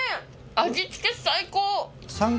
味付け最高！